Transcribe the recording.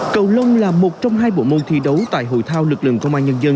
cầu lông là một trong hai bộ môn thi đấu tại hội thao lực lượng công an nhân dân